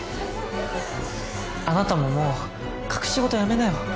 あなたももう隠し事やめなよ。